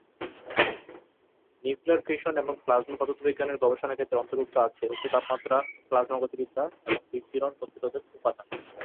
Nuclear fusion এবং plasma পদার্থবিজ্ঞানের গবেষণা ক্ষেত্রে অন্তর্ভুক্ত আছে উচ্চ তাপমাত্রা, প্লাজমা গতিবিদ্যা এবং বিকিরণ প্রতিরোধক উপাদান।